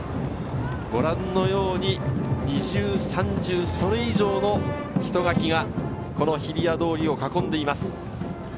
ご覧のように二重、三重、それ以上の人垣が日比谷通りを囲んでいます。